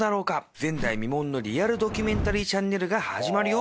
「前代未聞のリアルドキュメンタリーチャンネルが始まるよ」